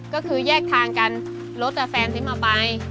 ก็คือแยกทางกันรถกับแฟนที่มาไป